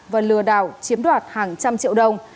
và lừa đảo chiếm đoạt hàng trăm triệu đồng